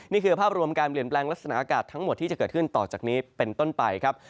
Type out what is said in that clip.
นี่คือภาพรวมการเปลี่ยนแปลงลักษณะอากาศทั้งหมดที่จะเกิดขึ้นต่อจากนี้เป็นต้นไปครับ